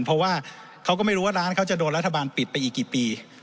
เพราะว่าเขาก็ไม่รู้ว่าร้านเขาจะโดนรัฐบาลปิดไปอีกกี่ปี